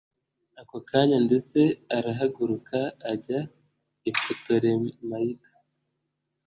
ako kanya ndetse arahaguruka ajya i putolemayida